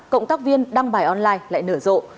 cộng tác viên đăng bài online lại nở rộ